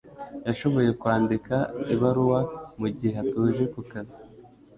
Yashoboye kwandika ibaruwa mugihe atuje ku kazi